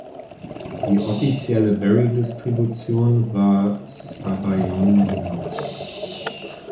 Die offizielle Beryl-Distribution war Sabayon-Linux.